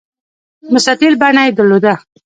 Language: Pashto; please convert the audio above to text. مستطیل بڼه یې درلوده.